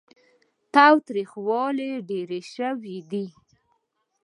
تاوتريخوالی ډېر شوی دی.